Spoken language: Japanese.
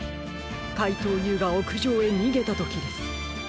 かいとうＵがおくじょうへにげたときです。